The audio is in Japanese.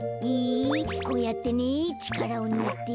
こうやってねちからをぬいて。